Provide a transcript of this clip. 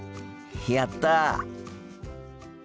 やった。